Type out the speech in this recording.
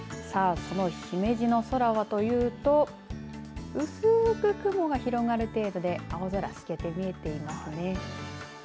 さあ、その姫路の空はというと薄く雲が広がる程度で青空が透けて見えていますね。